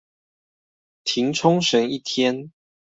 停沖繩一天